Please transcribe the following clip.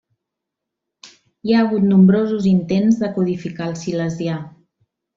Hi ha hagut nombrosos intents de codificar el silesià.